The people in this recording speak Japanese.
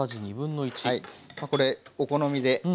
これお好みで。